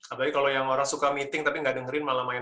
apalagi kalau yang orang suka meeting tapi nggak dengerin malah main